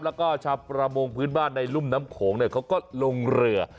แล้วก็ชาวประมงพื้นบ้านในรุ่มน้ำโขงเขาก็ลงเรือ